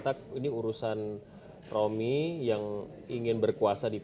tapi pak surya dharma memang berminat untuk berkuasa di p tiga